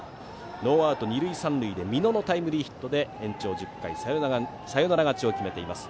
ノーアウト二塁三塁で美濃のタイムリーヒットで延長１０回の裏サヨナラ勝ちを決めています。